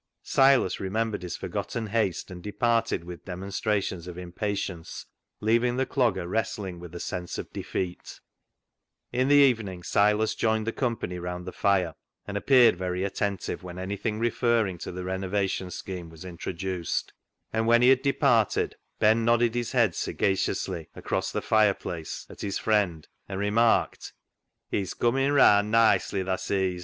Silas remembered his forgotten haste, and de parted with demonstrations of impatience, leaving the Clogger wrestling with a sense of defeat. 3i8 CLOG SHOP CHRONICLES In the evening Silas joined the company round the fire, and appeared very attentive when anything referring to the renovation scheme was introduced ; and, when he had departed, Ben nodded his head sagaciously across the fireplace at his friend, and re marked —" He's cumin' raand nicely, tha sees."